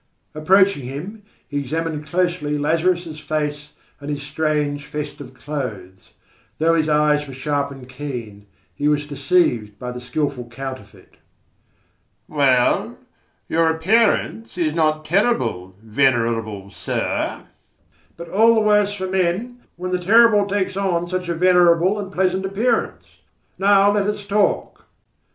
Approaching him, he examined closely Lazarus' face and his strange festive clothes. Though his eyes were sharp and keen, he was deceived by the skilful counterfeit. "Well, your appearance is not terrible, venerable sir. But all the worse for men, when the terrible takes on such a venerable and pleasant appearance. Now let us talk."